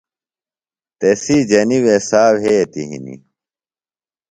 تسی جنیۡ وے سا وھیتیۡ ہنیۡ